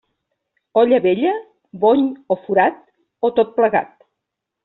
Olla vella, bony o forat, o tot plegat.